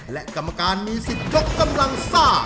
และกรรมการมีสิทธิ์ยกกำลังซ่า